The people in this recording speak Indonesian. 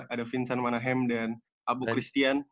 ada vincent manahem dan abu christian